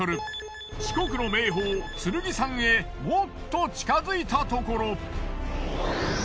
四国の名峰剣山へもっと近づいたところ。